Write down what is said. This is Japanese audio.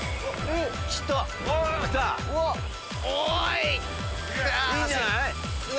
いいんじゃない？